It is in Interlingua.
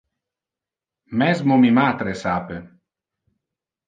Mesmo mi matre sape.